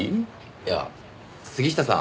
いや杉下さん